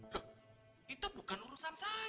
loh itu bukan urusan saya